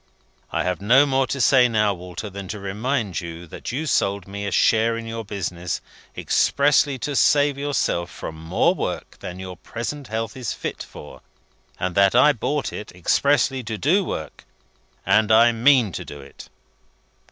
I have no more to say now, Walter, than to remind you that you sold me a share in your business, expressly to save yourself from more work than your present health is fit for, and that I bought it expressly to do work, and mean to do it."